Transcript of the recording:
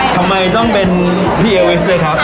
ทำไมต้องเป็นพี่เอวิสด้วยครับ